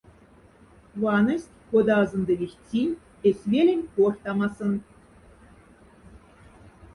Ваность, кода азондовихть синь эсь велень корхтамасонт.